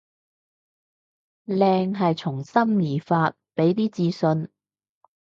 靚係從心而發，畀啲自信